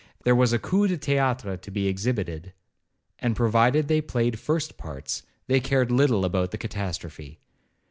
There was a coup de theatre to be exhibited, and provided they played first parts, they cared little about the catastrophe.